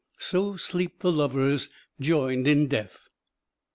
So sleep the lovers joined in death.